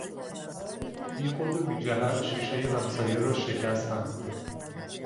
بیخود و بیجهت شیشهی همسایه را شکستند!